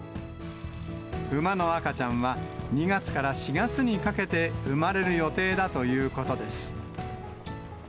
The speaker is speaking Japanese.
馬の赤ちゃんは、２月から４月にかけて生まれる予定だということです。